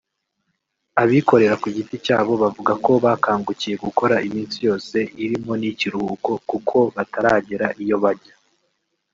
Abikorera ku giti cyabo bavuga ko bakangukiye gukora iminsi yose irimo n’iy’ikiruhuko kuko bataragera iyo bajya